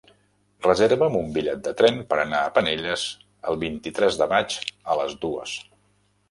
Reserva'm un bitllet de tren per anar a Penelles el vint-i-tres de maig a les dues.